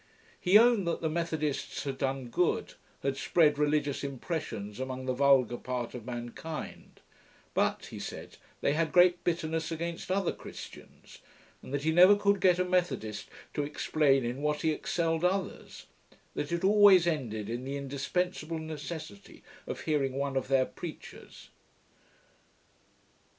He owned that the Methodists had done good; had spread religious impressions among the vulgar part of mankind: but, he said, they had great bitterness against other Christians, and that he never could get a Methodist to explain in what he excelled others; that it always ended in the indispensible necessity of hearing one of their preachers.